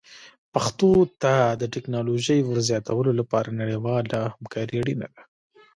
پښتو ته د ټکنالوژۍ ور زیاتولو لپاره نړیواله همکاري اړینه ده.